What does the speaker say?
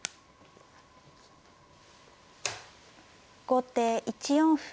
後手１四歩。